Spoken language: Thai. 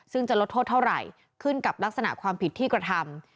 ซึ่งจะลดโทษเท่าไหร่ขึ้นกับลักษณะความผิดที่กระทำ